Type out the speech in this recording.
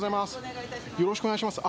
よろしくお願いします。